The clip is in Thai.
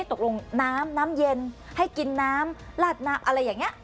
ตกลงน้ำน้ำเย็นให้กินน้ำลาดน้ำอะไรอย่างนี้